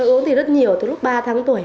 uống thì rất nhiều từ lúc ba tháng tuổi